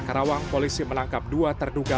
karawang polisi menangkap dua terduga